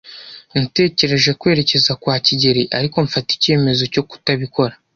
Natekereje kwerekeza kwa kigeli, ariko mfata icyemezo cyo kutabikora.